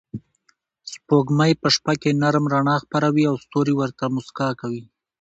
سپوږمۍ په شپه کې نرم رڼا خپروي او ستوري ورته موسکا کوي.